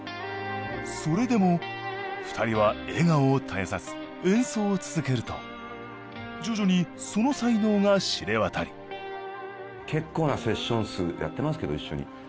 それでも２人は笑顔を絶やさず演奏を続けると徐々にその才能が知れ渡り結構なセッション数やってますけど一緒に。